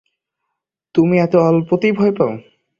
তুমি এত অল্পেই ভয় পাও?